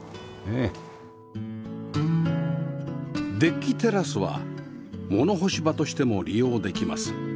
デッキテラスは物干し場としても利用できます